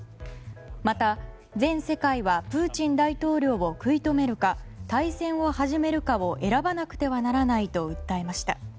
また、全世界はプーチン大統領を食い止めるか対戦を始めるかを選ばなくてはならないと訴えました。